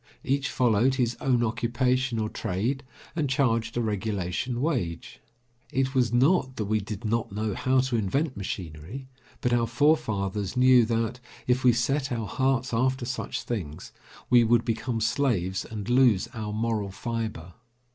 Each followed his own occupation or trade, and charged a regulation wage. It was not that we did not know how to invent machinery, but our forefathers knew that, if we set our hearts after such things, we would become slaves and lose our moral fibre.